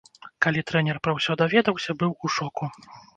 Калі трэнер пра ўсё даведаўся, быў у шоку.